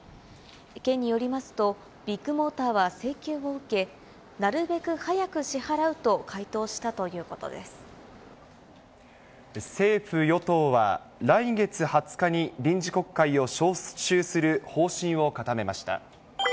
県によりますと、ビッグモーターは請求を受け、なるべく早く支払政府・与党は、来月２０日に臨時国会を召集する方針を固めました。